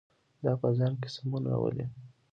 دا په ځان کې سمون راولي.